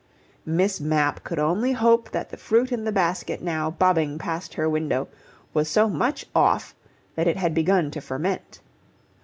Miss Mapp could only hope that the fruit in the basket now bobbing past her window was so much "off" that it had begun to ferment.